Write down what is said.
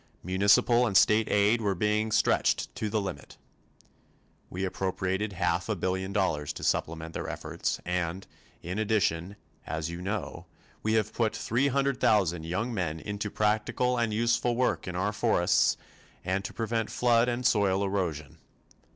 Municipal and state aid were being stretched to the limit. We appropriated half a billion dollars to supplement their efforts and in addition, as you know, we have put 300,000 young men into practical and useful work in our forests and to prevent flood and soil erosion.